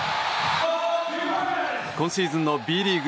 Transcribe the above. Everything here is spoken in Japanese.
今シーズンのＢリーグ